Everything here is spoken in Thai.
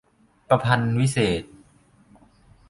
ประพันธวิเศษณ์